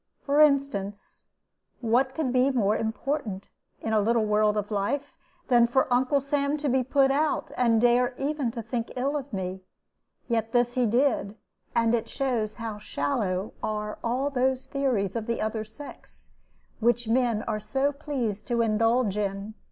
For instance, what could be more important, in a little world of life, than for Uncle Sam to be put out, and dare even to think ill of me? Yet this he did; and it shows how shallow are all those theories of the other sex which men are so pleased to indulge in.